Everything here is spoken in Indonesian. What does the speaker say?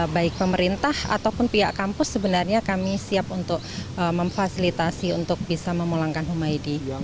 baik pemerintah ataupun pihak kampus sebenarnya kami siap untuk memfasilitasi untuk bisa memulangkan humaydi